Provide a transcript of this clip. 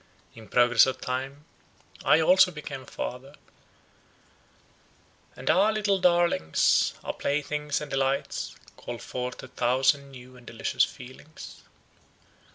In progress of time, I also became a father, and our little darlings, our playthings and delights, called forth a thousand new and delicious feelings.